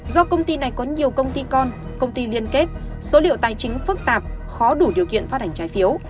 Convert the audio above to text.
do công ty này có nhiều công ty con công ty liên kết số liệu tài chính phức tạp khó đủ điều kiện phát hành trái phiếu